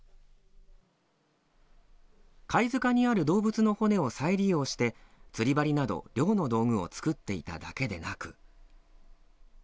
貝塚にある動物の骨を再利用して釣り針など、漁の道具を作っていただけでなく。